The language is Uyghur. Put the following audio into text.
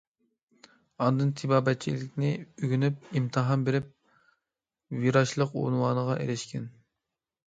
ئاندىن تېبابەتچىلىكنى ئۆگىنىپ، ئىمتىھان بېرىپ ۋىراچلىق ئۇنۋانىغا ئېرىشكەن.